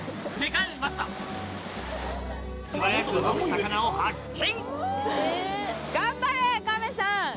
素早く動く魚を発見！